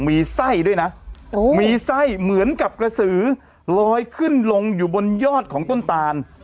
มีไส้ด้วยนะมีไส้เหมือนกับกระสือลอยขึ้นลงอยู่บนยอดของต้นตาล